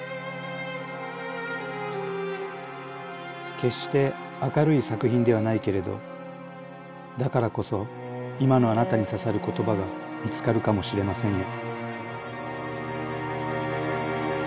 決して明るい作品ではないけれどだからこそ今のあなたに刺さる言葉が見つかるかもしれませんよ